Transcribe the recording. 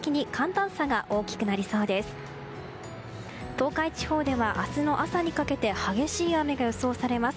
東海地方では、明日の朝にかけて激しい雨が予想されます。